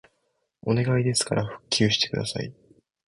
お願いですから復旧してください